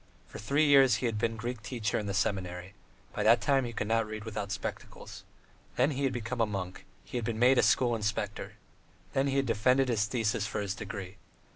For three years he had been Greek teacher in the seminary: by that time he could not read without spectacles. Then he had become a monk; he had been made a school inspector. Then he had defended his thesis for his degree.